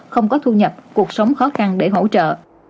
không có thu nhập cuộc sống khó khăn để hỗ trợ